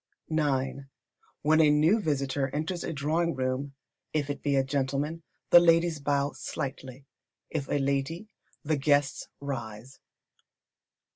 ix. When a new visitor enters a drawing room, if it be a gentleman, the ladies bow slightly, if a lady, the guests rise.